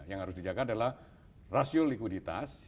yang harus dijaga adalah rasio likuiditas